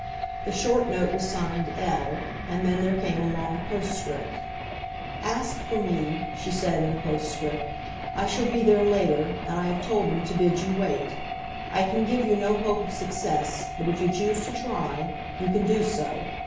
The short note was signed "L.," and then there came a long postscript. "Ask for me," she said in a postscript. "I shall be there later, and I have told them to bid you wait. I can give you no hope of success, but if you choose to try, you can do so.